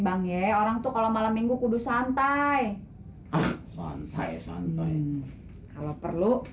bang ye orang tuh kalau malam minggu kudus santai sontai santai kalau perlu